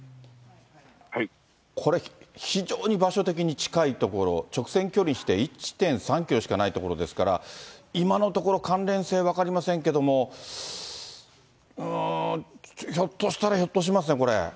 これ、非常に場所的に近い所、直線距離にして１．３キロしかない所ですから、今のところ、関連性分かりませんけども、ひょっとしたらひょっとしますね、これ。